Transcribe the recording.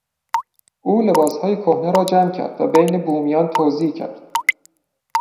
او لباسهای کهنه را جمع کرد و بین بومیان توزیع کرد.